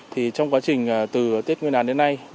thì trong quá trình từ tiết nguyên đàn đến nay